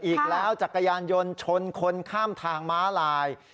อีกแล้วจักรยานยนต์ชนคนข้ามทางม้าลาย